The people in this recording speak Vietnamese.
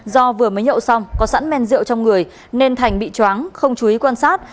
do vừa mới nhậu xong có sẵn men rượu trong người nên thành bị choáng không chú ý quan sát